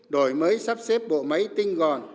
đổi mới sắp xếp bộ máy tinh gòn